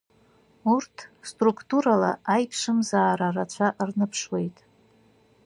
Урҭ струқтурала аиԥшымзаара рацәа рныԥшуеит.